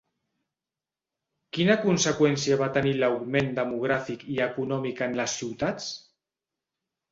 Quina conseqüència va tenir l'augment demogràfic i econòmic en les ciutats?